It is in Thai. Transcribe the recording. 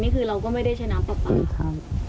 นี่คือเราก็ไม่ได้ใช้น้ำปลาปลาเขา